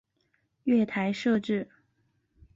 月台设置